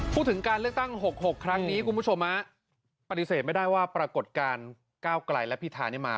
พูดถึงการเลือกตั้ง๖๖ครั้งนี้คุณผู้ชมปฏิเสธไม่ได้ว่าปรากฏการณ์ก้าวไกลและพิธานี่มา